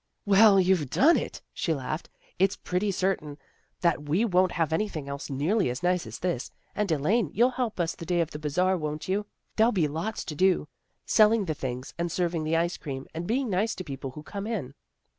" Well, you've done it," she laughed. " It's pretty certain that we won't have anything else nearly as nice as this. And, Elaine, you'll help us the day of the Bazar, won't you? There'll be lots to do, selling the things, and serving the ice cream, and being nice to the people who come in."